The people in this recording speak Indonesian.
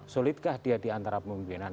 sulitkah dia diantara pimpinan